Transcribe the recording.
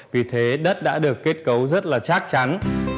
vì thế đất đã được kết cấu rất là chắc chắn